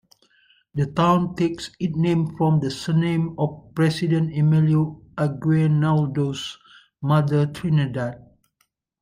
The town takes its name from the surname of President Emilio Aguinaldo's mother, Trinidad.